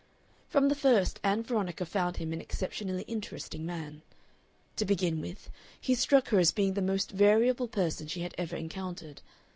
From the first, Ann Veronica found him an exceptionally interesting man. To begin with, he struck her as being the most variable person she had ever encountered.